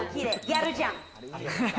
やるじゃん。